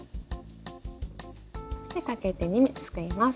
そしてかけて２目すくいます。